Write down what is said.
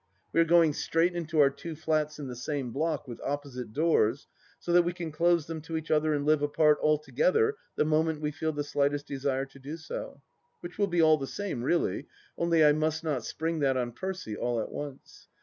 We are going straight into our two flats in the same block, with opposite doors, so that we can close them to each other and live apart altogether the moment we feel the slightest desire to do so : which will be all the time, really, only I. must not spring that on Percy, all at once.